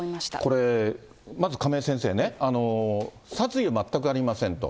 これ、まず亀井先生ね、殺意は全くありませんと。